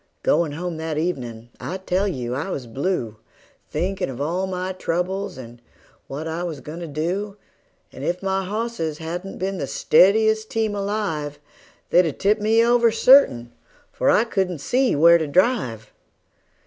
Goin' home that evenin' I tell you I was blue, Thinkin' of all my troubles, and what I was goin' to do; And if my hosses hadn't been the steadiest team alive, They'd 've tipped me over, certain, for I couldn't see where to drive.